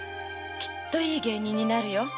きっといい芸人になるよ。